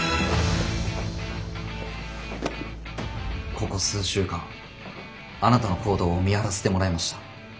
ここ数週間あなたの行動を見張らせてもらいました。